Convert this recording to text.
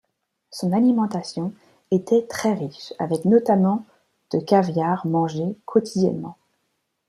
Son alimentation était très riche avec notamment de caviar mangé quotidiennement.